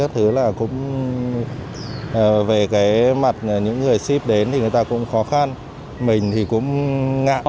thứ là cũng về cái mặt những người ship đến thì người ta cũng khó khăn mình thì cũng ngại